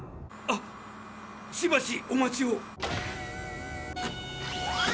あしばしお待ちを。